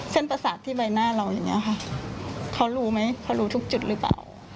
ประสาทที่ใบหน้าเราอย่างนี้ค่ะเขารู้ไหมเขารู้ทุกจุดหรือเปล่า